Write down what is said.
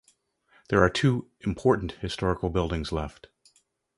There are two important historical buildings left.